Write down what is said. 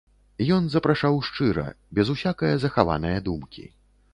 Ён запрашаў шчыра, без усякае захаванае думкі.